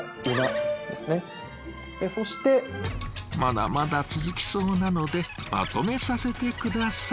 まだまだ続きそうなのでまとめさせて下さい。